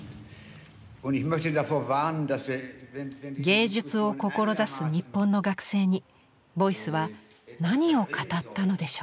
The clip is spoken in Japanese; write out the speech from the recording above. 芸術を志す日本の学生にボイスは何を語ったのでしょうか。